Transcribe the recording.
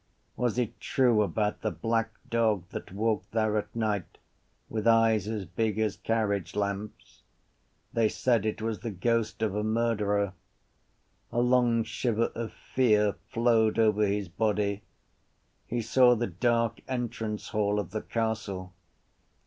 Was it true about the black dog that walked there at night with eyes as big as carriagelamps? They said it was the ghost of a murderer. A long shiver of fear flowed over his body. He saw the dark entrance hall of the castle.